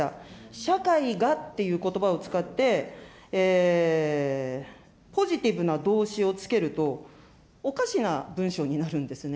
社会がっていうことばを使って、ポジティブな動詞をつけると、おかしな文章になるんですね。